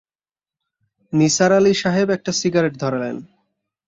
নিসার আলি সাহেব একটা সিগারেট ধরালেন।